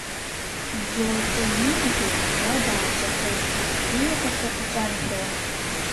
Ӡоҵениӡе уа дааҿахеит, ииҳәаша иҿамшәауа.